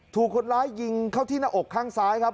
ถูกคนร้ายยิงเข้าที่หน้าอกข้างซ้ายครับ